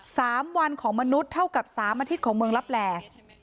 สามวันของมนุษย์เท่ากับสามอาทิตย์ของเมืองลับแหล่